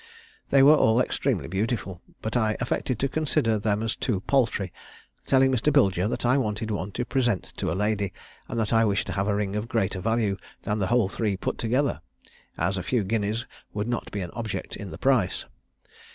They were all extremely beautiful; but I affected to consider them as too paltry, telling Mr. Bilger that I wanted one to present to a lady, and that I wished to have a ring of greater value than the whole three put together, as a few guineas would not be an object in the price.